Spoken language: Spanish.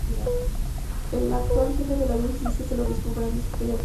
El actual jefe de la Diócesis es el Obispo Brendan John Cahill.